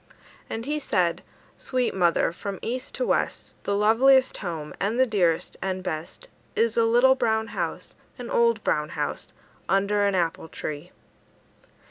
And he said: "Sweet mother, from east to west, The loveliest home, and the dearest and best, Is a little brown house, An old brown house, Under an apple tree."